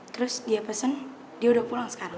terus dia pesen dia udah pulang sekarang